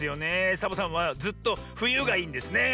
サボさんはずっとふゆがいいんですねえ。